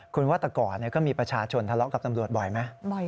คุณวัตกรก็มีประชาชนทะเลาะกับตำรวจบ่อยไหม